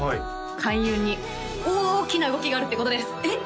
開運に大きな動きがあるってことですえっ！？